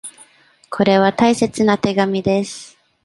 これは大切な手紙です。